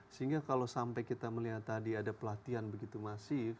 sehingga kalau sampai kita melihat tadi ada pelatihan begitu masif